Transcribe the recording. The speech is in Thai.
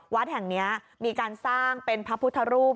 วัดแห่งนี้มีการสร้างเป็นพระพุทธรูป